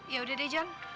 ya udah deh jon